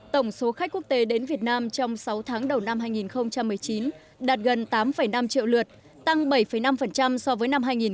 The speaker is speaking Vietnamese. tổng số khách quốc tế đến việt nam trong sáu tháng đầu năm hai nghìn một mươi chín đạt gần tám năm triệu lượt tăng bảy năm so với năm hai nghìn một mươi tám